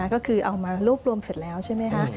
ก็คือเอามารวบรวมเสร็จแล้วใช่ไหมคะ